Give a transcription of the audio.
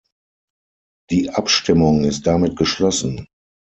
Die Abstimmung ist damit geschlossen.